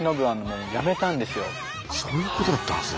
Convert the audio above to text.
そういうことだったんですね。